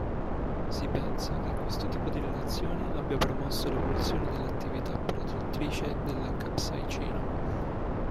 Si pensa che questo tipo di relazione abbia promosso l'evoluzione dell'attività protettrice della capsaicina.